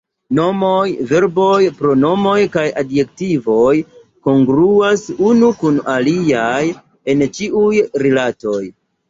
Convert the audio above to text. Nomoj, verboj, pronomoj kaj adjektivoj kongruas unu kun aliaj en ĉiuj rilatoj.